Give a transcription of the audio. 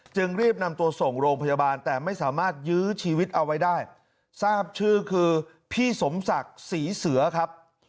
ชื่อคือพี่สมศักดิ์ศรีเสือครับ